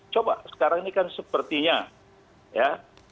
coba sekarang ini kan sepertinya ya